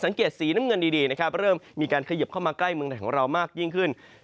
สังเกตสีน้ำเงินดีนะครับเริ่มมีการขยิบเข้ามาใกล้เมืองไทยของเรามากยิ่งขึ้น